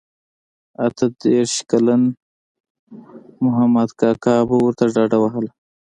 اته دیرش کلن مخامد کاکا به ورته ډډه وهله.